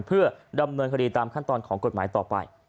เพื่อดำเนินคดีตามขั้นตอนของกฎหมายต่อไป